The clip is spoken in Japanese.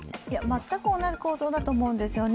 全く同じ構造だと思うんですよね。